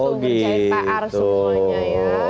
untuk ngerjain pr semuanya ya